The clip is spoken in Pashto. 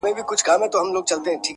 اې د قوتي زلفو مېرمني در نه ځمه سهار~